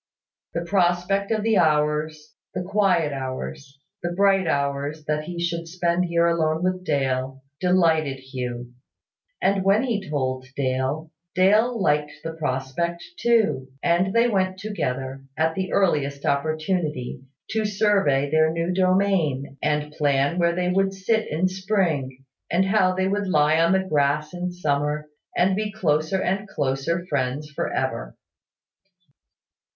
The prospect of the hours, the quiet hours, the bright hours that he should spend here alone with Dale, delighted Hugh: and when he told Dale, Dale liked the prospect too; and they went together, at the earliest opportunity, to survey their new domain, and plan where they would sit in spring, and how they would lie on the grass in summer, and be closer and closer friends for ever.